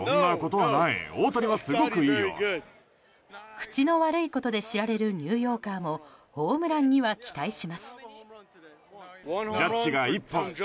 口の悪いことで知られるニューヨーカーもホームランには期待します。